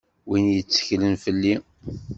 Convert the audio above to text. Win yetteklen fell-i.